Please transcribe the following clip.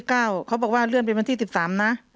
เขาบอกว่าเลื่อนเป็นวันที่๑๓นะ